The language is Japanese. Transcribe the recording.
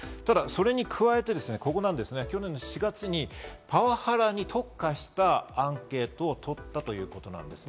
それに加えて去年４月にパワハラに特化したアンケートを取ったということなんです。